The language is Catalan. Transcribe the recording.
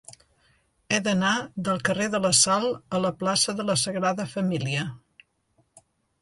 He d'anar del carrer de la Sal a la plaça de la Sagrada Família.